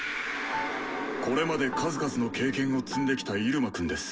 これまで数々の経験を積んできたイルマくんです。